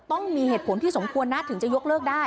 ต้องมีเหตุผลที่สมควรนะถึงจะยกเลิกได้